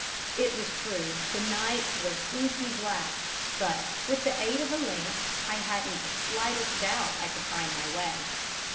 "It was true the night was inky black; but, with the aid of a lamp, I hadn't the slightest doubt I could find my way.